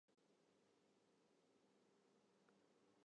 Let yn de sneintenacht lutsen sniebuien oer Fryslân.